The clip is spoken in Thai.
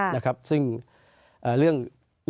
แต่ไม่ใช่เดี๋ยว